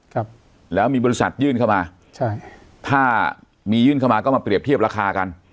ครับแล้วมีบริษัทยื่นเข้ามาใช่ถ้ามียื่นเข้ามาก็มาเปรียบเทียบราคากัน